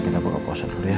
kita buka puasa dulu ya